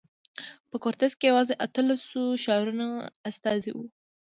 په کورتس کې یوازې اتلسو ښارونو استازي وو.